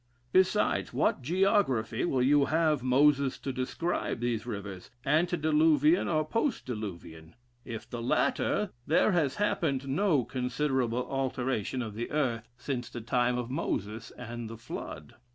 Besides, what geography will you have Moses to describe these rivers, ante diluvian or post diluvian'? If the latter, there has happened no considerable alteration of the earth since the time of Moses and the flood.